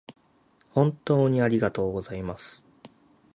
本当にありがとうございます